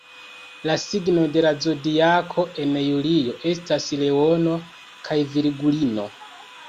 La signoj de la Zodiako en julio estas Leono kaj Virgulino.